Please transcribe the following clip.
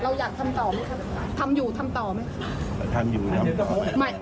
เราอยากทำต่อมั้ยครับทำอยู่ทำต่อมั้ยทำอยู่ทำต่อ